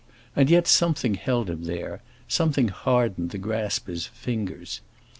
And yet something held him there—something hardened the grasp of his fingers.